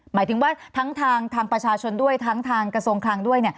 หมายถึงว่าทั้งทางประชาชนด้วยทั้งทางกระทรวงคลังด้วย